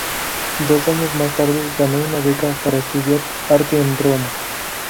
Dos años más tarde ganó una beca para estudiar arte en Roma.